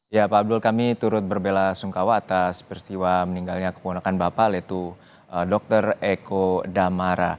ya pak abdul kami turut berbela sungkawa atas peristiwa meninggalnya keponakan bapak yaitu dr eko damara